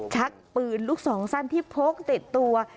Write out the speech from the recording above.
ชักปืนลูกสองสั้นที่พกติดตัว